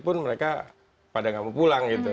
pun mereka pada tidak mau pulang